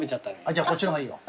じゃあこっちの方がいいよ。